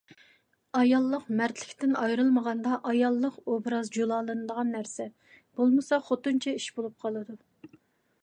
ئاياللىق مەردلىكتىن ئايرىلمىغاندا ئاياللىق ئوبراز جۇلالىنىدىغان نەرسە. بولمىسا خوتۇنچە ئىش بولۇپ قالىدۇ.